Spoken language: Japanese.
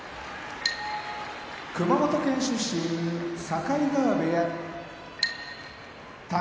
熊本県出身境川部屋宝